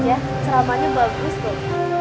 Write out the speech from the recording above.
stejah ceramahnya bagus loh